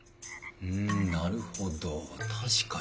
んなるほど確かに。